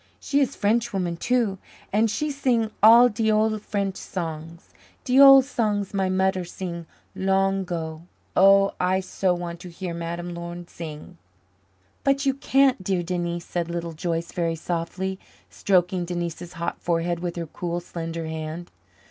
She is Frenchwoman, too, and she sing all de ole French songs de ole songs my mudder sing long 'go. Oh! I so want to hear Madame Laurin sing." "But you can't, dear Denise," said Little Joyce very softly, stroking Denise's hot forehead with her cool, slender hand.